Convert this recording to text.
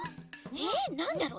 えっなんだろう？